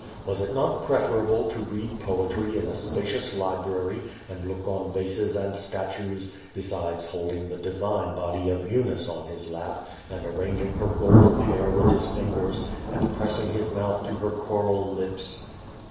Was it not preferable to read poetry in a spacious library and look on vases and statues, besides holding the divine body of p]unice on his lap, and arranging her golden hair with his fingers, and pressing his mouth to her coral lips?